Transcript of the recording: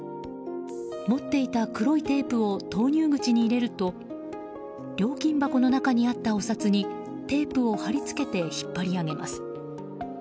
持っていた黒いテープを投入口に入れると料金箱の中にあったお札にテープを貼り付けて引っ張り上げます。